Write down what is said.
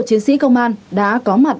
chiến sĩ công an đã có mặt